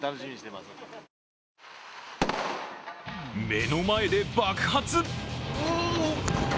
目の前で爆発。